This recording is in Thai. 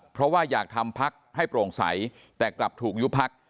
เพราะว่าอยากทำพักให้โปร่งใสแต่กลับถูกยุบพัก